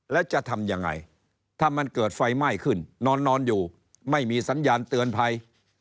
แล้วจะทำยังไงถ้ามันเกิดไฟไหม้ขึ้นนอนอยู่ไม่มีสัญญาณเตือนภัย